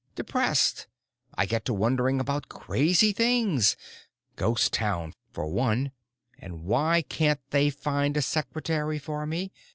Depressed. I get to worrying about crazy things. Ghost Town, for one. And why can't they find a secretary for me?